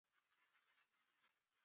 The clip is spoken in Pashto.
ته مي نه خوښېږې !